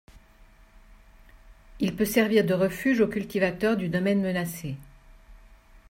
Il peut servir de refuge aux cultivateurs du domaine menacé.